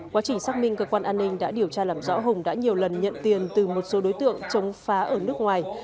quá trình xác minh cơ quan an ninh đã điều tra làm rõ hùng đã nhiều lần nhận tiền từ một số đối tượng chống phá ở nước ngoài